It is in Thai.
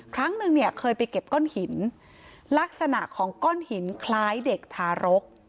ครั้งนึงเนี่ยเคยไปเก็บก้อนหินลักษณะของก้อนหินคล้ายเด็กทารก